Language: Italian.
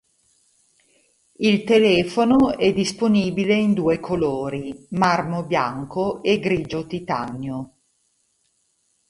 Il telefono è disponibile in due colori: "Marmo Bianco" e "Grigio Titanio".